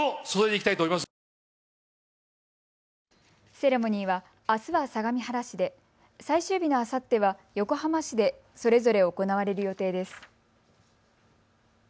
セレモニーは、あすは相模原市で、最終日のあさっては横浜市でそれぞれ行われる予定です。